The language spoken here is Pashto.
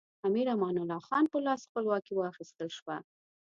امیر امان الله خان په لاس خپلواکي واخیستل شوه.